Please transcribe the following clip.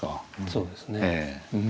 そうですね。